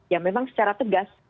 ya memang secara tegas